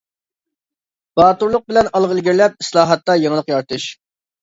باتۇرلۇق بىلەن ئالغا ئىلگىرىلەپ، ئىسلاھاتتا يېڭىلىق يارىتىش.